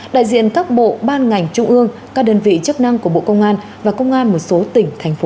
đại diện các bộ ban ngành trung ương các đơn vị chức năng của bộ công an và công an một số tỉnh thành phố